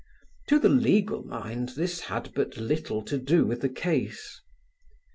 To the legal mind this had but little to do with the case.